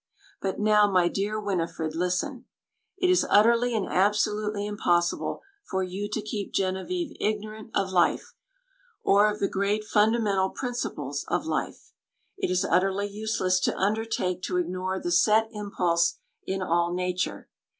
But now, my dear Winifred, listen. It is utterly and absolutely impossible for you to keep Genevieve ignorant of life, or of the great fundamental principles of life. It is utterly useless to undertake to ignore the set impulse in all nature.